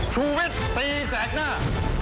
ชุวิตตีแสงหน้า